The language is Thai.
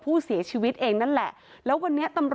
ผู้เสียชีวิตเองนั่นแหละ